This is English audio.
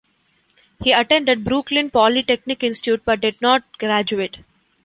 He attended Brooklyn Polytechnic Institute but did not graduate.